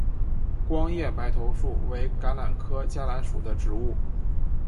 光叶白头树为橄榄科嘉榄属的植物。